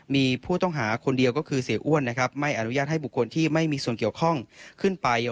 มีผู้ต้องหาคนเดียวก็คือเสียอ้วนนะครับไม่อนุญาตให้บุคคลที่ไม่มีส่วนเกี่ยวข้องขึ้นไป